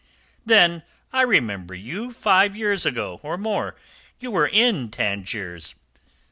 "Then I remember you five years ago, or more, you were in Tangiers."